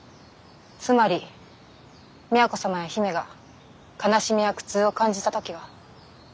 つまり都様や姫が悲しみや苦痛を感じた時は？